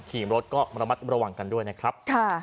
ขี่รถก็ระมัดระวังกันด้วยนะครับ